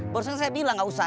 barusan saya bilang gak usah